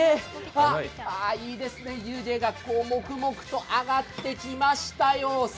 ああ、いいですね、湯気がもくもくと上ってきましたよ。